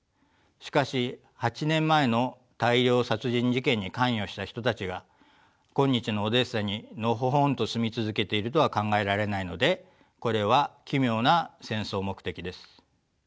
しかし８年前の大量殺人事件に関与した人たちが今日のオデーサにのほほんと住み続けているとは考えられないのでこれは奇妙な戦争目的です。